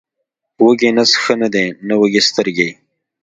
وږی نس ښه دی، نه وږې سترګې.